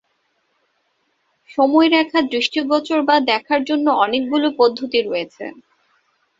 সময়রেখা দৃষ্টিগোচর বা দেখার জন্য অনেকগুলো পদ্ধতি রয়েছে।